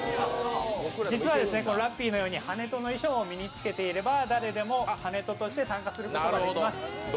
実はラッピーのように跳人の衣装を身に着けていれば誰でも跳人として参加することができます。